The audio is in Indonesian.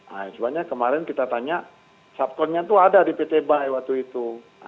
nah sebenarnya kemarin kita tanya satkonnya itu ada di pt bai waktu itu